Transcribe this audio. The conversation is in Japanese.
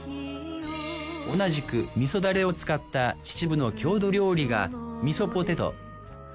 同じく味噌ダレを使った秩父の郷土料理がみそポテト。